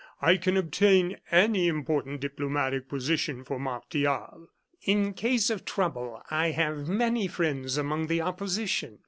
I can obtain any important diplomatic position for Martial." "In case of trouble, I have many friends among the opposition."